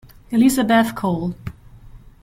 Elizabeth Cole.